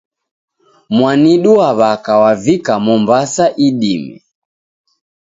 Mwanidu wa w'aka wavika Mombasa idime.